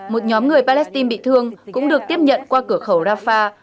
một nhóm người palestine bị thương cũng được tiếp nhận qua cửa khẩu rafah